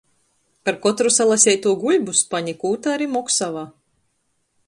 Par kotru salaseitū guļbu spani kū ta ari moksuoja.